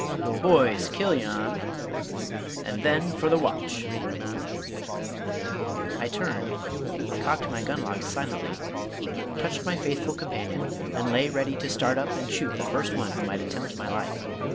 Boys, kill yon , and then for the watch." I turned, cocked my gunlocks silently, touched my faithful companion, and lay ready to start up and shoot the first one who might attempt my life.